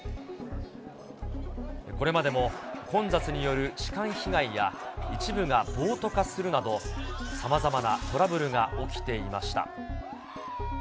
これまでも混雑による痴漢被害や、一部が暴徒化するなど、さまざまなトラブルが起きていました。